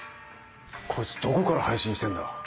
こいつどこから配信してんだ？